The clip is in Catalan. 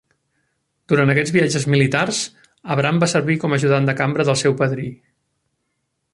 Durant aquests viatges militars, Abram va servir com a ajudant de cambra del seu padrí.